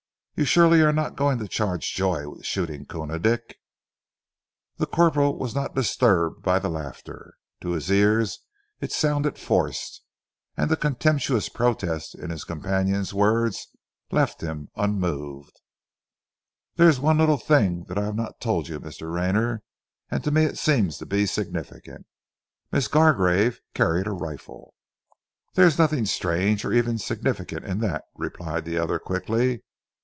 "You surely are not going to charge Joy with shooting Koona Dick?" The corporal was not disturbed by the laughter. To his ears it sounded forced, and the contemptuous protest in his companion's words left him unmoved. "There is one little thing that I have not told you, Mr. Rayner, and to me it seems to be significant. Miss Gargrave carried a rifle." "There is nothing strange or even significant in that," replied the other quickly.